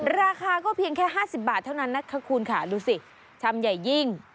ราคาก็เพียงแค่ห้าสิบบาทเท่านั้นน่ะคุณค่ะดูสิชำย่ายยิ่ง